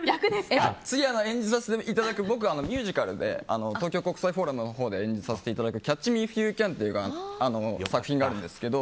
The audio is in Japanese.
次、演じさせていただくミュージカルで東京国際フォーラムのほうで演じさせていただく「キャッチ・ミー・イフ・ユー・キャン」という作品があるんですけど